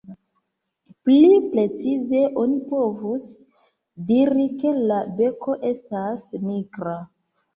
Pli precize oni povus diri, ke la beko estas nigra.